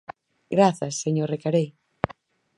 Grazas, señor Recarei.